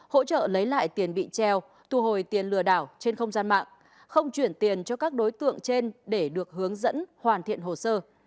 hỗ trợ lấy lại tiền bị treo thu hồi tiền lừa đảo trên không gian mạng không chuyển tiền cho các đối tượng trên để được hướng dẫn hoàn thiện hồ sơ